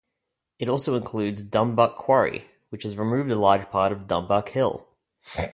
It also includes Dumbuck Quarry, which has removed a large part of Dumbuck Hill.